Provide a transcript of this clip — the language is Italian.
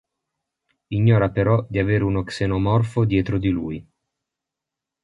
Ignora però di avere uno xenomorfo dietro di lui.